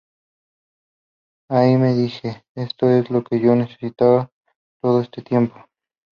Ahí me dije: ¡esto es lo que yo necesitaba hacer todo este tiempo!".